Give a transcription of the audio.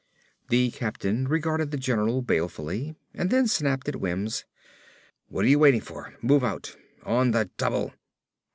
The captain regarded the general balefully and then snapped at Wims, "What are you waiting for? Move out! ON THE DOUBLE!"